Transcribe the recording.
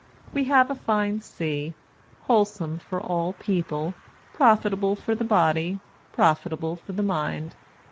We have a fine sea, wholesome for all people ; profitable for the body, profitable for the mind.